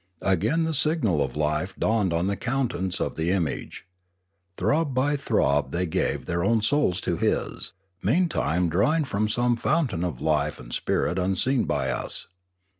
Again the signal of life dawned on the countenance of the image. Throb by throb they gave of their own souls to his, meantime drawing from some fountain of life and spirit unseen by us.